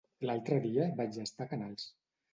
L'altre dia vaig estar a Canals.